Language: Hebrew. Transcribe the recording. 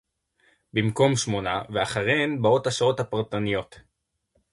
במקום שמונה, ואחריהן באות השעות הפרטניות